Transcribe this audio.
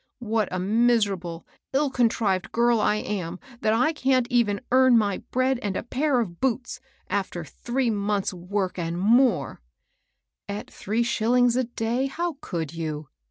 What a miserable, ill contrived girl I am, that I can't earn even my bread and a pair of boots, after three months' work, and more I "" At three shillings a day, how could you